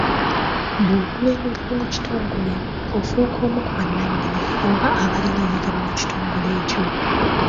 Bw'ogula emigabo mu kitongole, ofuuka omu ku bannannyini oba abalina emigabo mu kitongole ekyo.